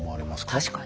確かに。